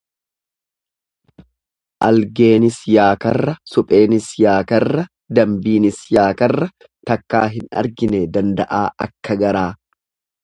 Algeenis yaakarra, supheenis yaakarra dambiinis yaakarra, takkaa hin argine danda'aa akka garaa.